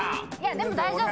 でも大丈夫。